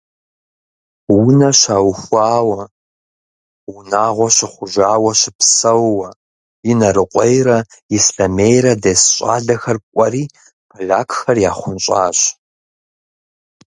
Унэ щаухуауэ, унагъуэ щыхъужауэ щыпсэууэ, Инарыкъуейрэ Ислъэмейрэ дэс щӏалэхэр кӏуэри полякхэр яхъунщӏащ.